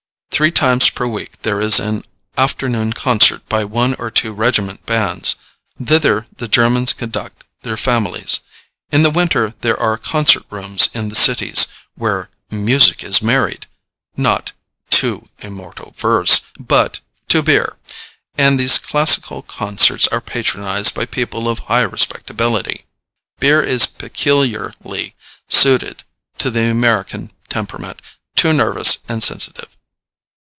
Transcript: Three times per week there is an afternoon concert by one or two regiment bands. Thither the Germans conduct their families. In the winter there are concert rooms in the cities, where "music is married," not "to immortal verse," but to beer; and these classical concerts are patronized by people of high respectability. Beer is peculiarly suited to the American temperament, too nervous and sensitive.